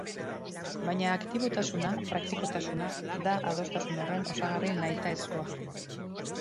Baina aktibotasuna, praktikotasuna, da adostasun horren osagarri nahitaezkoa.